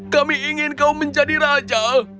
kami ingin kau menjadi raja